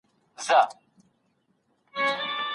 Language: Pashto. کله ړوند سړي له ږیري سره بې ډاره اتڼ کاوه؟